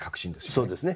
そうですね。